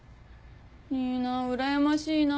いいなうらやましいな。